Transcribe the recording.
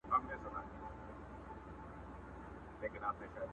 لېوني به څوک پر لار کړي له دانا څخه لار ورکه،